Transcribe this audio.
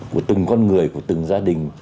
của từng con người của từng gia đình